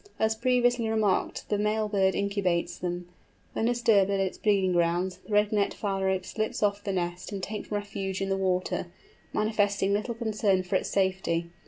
As previously remarked the male bird incubates them. When disturbed at its breeding grounds, the Red necked Phalarope slips off the nest and takes refuge in the water, manifesting little concern for its safety.